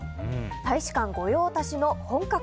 大使館御用達の本格